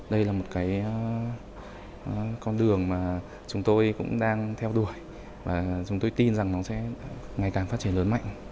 đây là một cái con đường mà chúng tôi cũng đang theo đuổi và chúng tôi tin rằng nó sẽ ngày càng phát triển lớn mạnh